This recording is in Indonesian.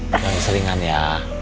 kau yang seringan ya